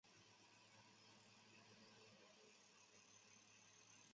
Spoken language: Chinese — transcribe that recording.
台东红叶国小的学生主要来自原住民布农族红叶部落。